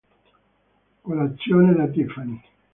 Colazione da Tiffany